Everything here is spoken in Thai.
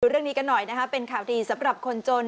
เรื่องนี้กันหน่อยนะคะเป็นข่าวดีสำหรับคนจน